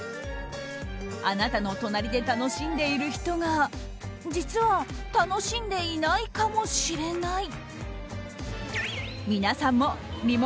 あなたの隣で楽しんでいる人が実は楽しんでいないかもしれない。